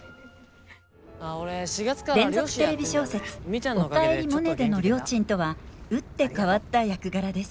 連続テレビ小説「おかえりモネ」でのりょーちんとは打って変わった役柄です。